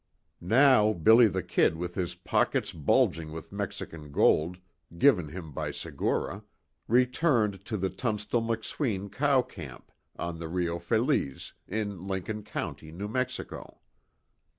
Now "Billy the Kid," with his pockets bulging with Mexican gold, given him by Segura, returned to the Tunstall McSween cow camp, on the Rio Feliz, in Lincoln County, New Mexico.